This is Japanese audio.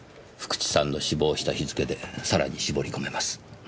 福地さんの死亡した日付でさらに絞り込めます。